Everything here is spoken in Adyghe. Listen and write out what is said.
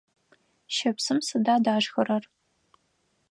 Щыпсым сыда дашхырэр?